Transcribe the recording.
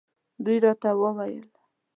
دوی راته وویل.